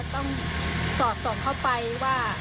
ต้องสอบส่งเข้าไปว่า